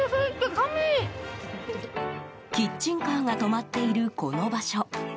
キッチンカーが止まっているこの場所。